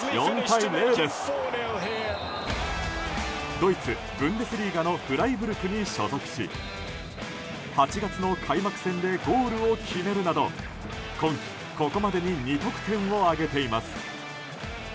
ドイツ・ブンデスリーガのフライブルクに所属し８月の開幕戦でゴールを決めるなど今季、ここまでに２得点を挙げています。